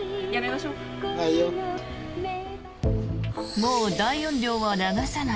もう大音量は流さない。